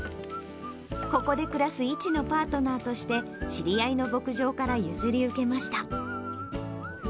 ここで暮らすイチのパートナーとして、知り合いの牧場から譲り受けました。